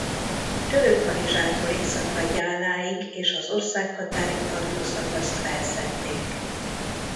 Törökkanizsától északra Gyáláig és az országhatárig tartó szakaszt felszedték.